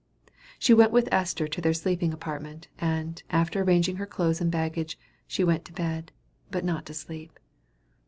She went with Esther to their sleeping apartment, and, after arranging her clothes and baggage, she went to bed, but not to sleep.